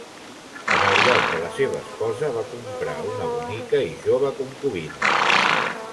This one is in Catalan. En el lloc de la seva esposa, va comprar una bonica i jove concubina.